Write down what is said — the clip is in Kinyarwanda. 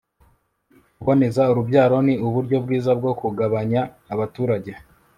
kuboneza urubyaro, ni uburyo bwiza bwo kugabanya abaturage